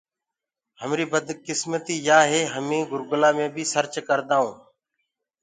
همريٚ بدڪسمتيٚ يآ هي هميٚنٚ گُوگلو مي بيٚ سرچ ڪردآئوٚنٚ۔